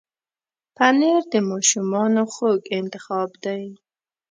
پنېر د ماشومانو خوږ انتخاب دی.